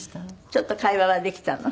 ちょっと会話はできたの？